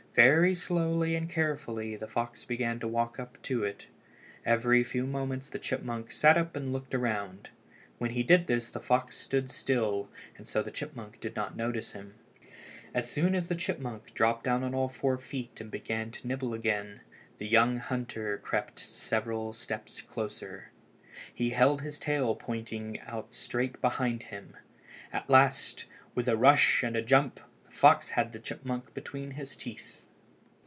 Very slowly and carefully the fox began to walk up to it. Every few moments the chipmunk sat up and looked around. When he did this the fox stood still, and so the chipmunk did not notice him. As soon as the chipmunk dropped down on all four feet and began to nibble again, the young hunter crept several steps closer. He held his tail pointing out straight behind. At last, with a rush and a jump, the fox had the chipmunk between his teeth.